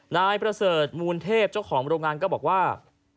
นายประเสริฐมูลเทพเจ้าของโรงงานก็บอกว่า